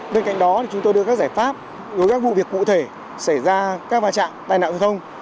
bên cạnh đó chúng tôi đưa các giải pháp với các vụ việc cụ thể xảy ra các vạn trạng tai nạn giao thông